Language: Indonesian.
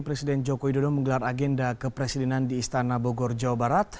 presiden joko widodo menggelar agenda kepresidenan di istana bogor jawa barat